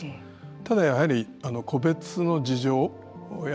ただ、やはり個別の事情